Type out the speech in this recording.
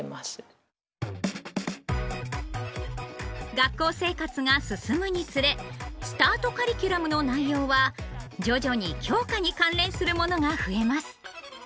学校生活が進むにつれスタートカリキュラムの内容は徐々に教科に関連するものが増えます。